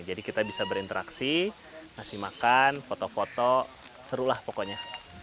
jadi kita bisa berinteraksi ngasih makan foto foto seru lah pokoknya